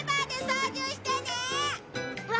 うわ！